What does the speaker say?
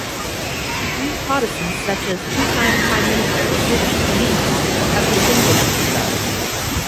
A few Protestants, such as two-time Prime Minister Sidney Sonnino, have distinguished themselves.